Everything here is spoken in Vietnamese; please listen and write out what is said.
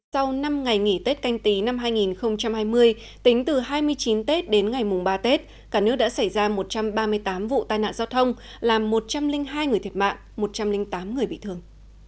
sau năm ngày nghỉ tết canh tí năm hai nghìn hai mươi tính từ hai mươi chín tết đến ngày mùng ba tết cả nước đã xảy ra một trăm ba mươi tám vụ tai nạn giao thông làm một trăm linh hai người thiệt mạng một trăm linh tám người bị thương